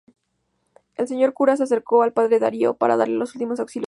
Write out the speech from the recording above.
El señor cura se acercó al padre Darío para darle los últimos auxilios espirituales.